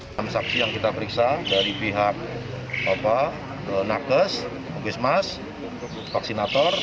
enam saksi yang kita periksa dari pihak nakes pukismas vaksinator